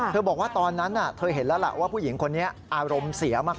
บอกว่าตอนนั้นเธอเห็นแล้วล่ะว่าผู้หญิงคนนี้อารมณ์เสียมาก